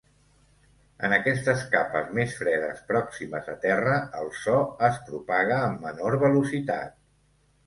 En aquestes capes més fredes pròximes a terra, el so es propaga amb menor velocitat.